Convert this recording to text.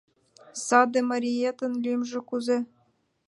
— Саде мариетын лӱмжӧ кузе?